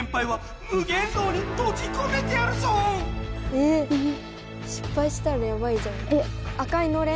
え失敗したらヤバいじゃん。